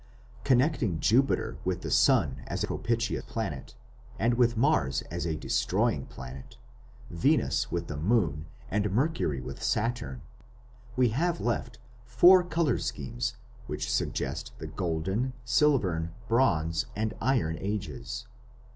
Connecting Jupiter with the sun as a propitious planet, and with Mars as a destroying planet, Venus with the moon, and Mercury with Saturn, we have left four colour schemes which suggest the Golden, Silvern, Bronze, and Iron Ages.